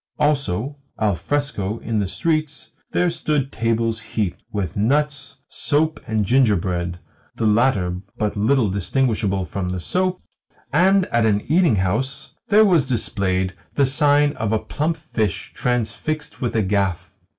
Also, al fresco in the streets there stood tables heaped with nuts, soap, and gingerbread (the latter but little distinguishable from the soap), and at an eating house there was displayed the sign of a plump fish transfixed with a gaff.